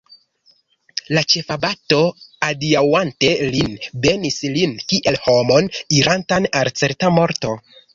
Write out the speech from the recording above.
La ĉefabato, adiaŭante lin, benis lin kiel homon, irantan al certa morto.